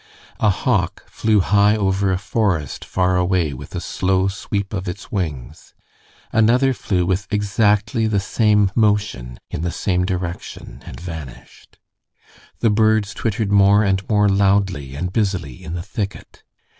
A hawk flew high over a forest far away with slow sweep of its wings; another flew with exactly the same motion in the same direction and vanished. The birds twittered more and more loudly and busily in the thicket.